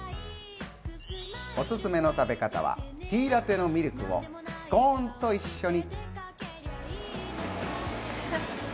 おすすめの食べ方はティーラテのミルクをスコーンと一緒に。